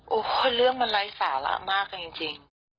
โอ้โหเรื่องมันไร้สาระมากจริง